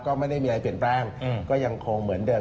ก็ไม่ได้มีอะไรเปลี่ยนแปลงก็ยังคงเหมือนเดิม